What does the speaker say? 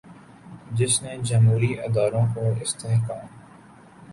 جس نے جمہوری اداروں کو استحکام